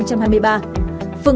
giảm hai thuế giá trị gia tăng